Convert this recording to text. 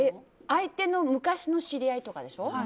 相手の昔の知り合いとかでしょ。